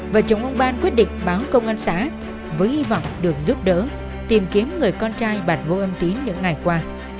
và chồng ông ban quyết định báo công an xã với hy vọng được giúp đỡ tìm kiếm người con trai bản vô âm tín những ngày qua